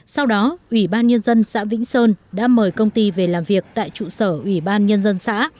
sau đó ủy ban nhân dân xã vĩnh sơn đã mời công ty về làm việc tại trụ sở ủy ban nhân dân xã